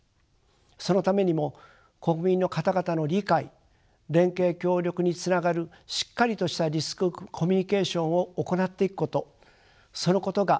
そのためにも国民の方々の理解連携協力につながるしっかりとしたリスクコミュニケーションを行っていくことそのことが鍵になっていくものと思われます。